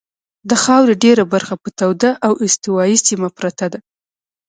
د خاورې ډېره برخه په توده او استوایي سیمه پرته ده.